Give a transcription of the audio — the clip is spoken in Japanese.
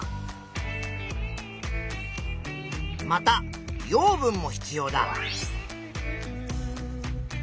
また養分も必要だ。